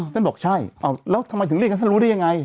ท่านบอกใช่แล้วทำไมถึงเรียกกันท่านรู้ได้ยังไง